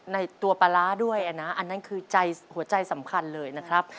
ในตัวปลาร้าด้วยนะอันนั้นคือใจหัวใจสำคัญเลยนะครับ